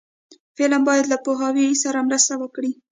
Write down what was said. فلم باید له پوهاوي سره مرسته وکړي